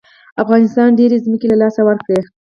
افغانستان ډېرې ځمکې له لاسه ورکړې.